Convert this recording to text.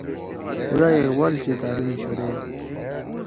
تھیدا اقبال سی تعلیم شروع ہُو